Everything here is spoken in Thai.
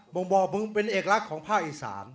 บ่อบึงเป็นเอกลักษณ์ของภาคอีสาน